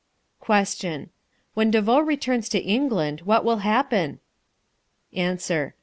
Question. When De Vaux returns to England, what will happen? Answer.